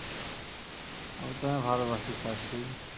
আমি তোমায় ভালোবাসি, সার্সি।